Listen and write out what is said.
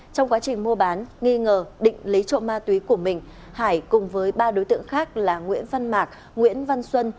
trong quá trình mua bán nghi ngờ định lấy trộm ma túy của mình hải cùng với ba đối tượng khác là nguyễn văn mạc nguyễn văn xuân